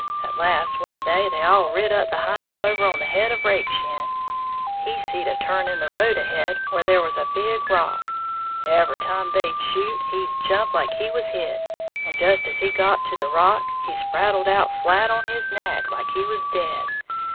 At last one day they all rid up behind him over on the head of Rakeshin. He seed a turn in the road ahead, where there was a big rock. Every time they'd shoot, he'd jump like he was hit; and just as he got to the rock, he spraddled out flat on his nag, like he was dead.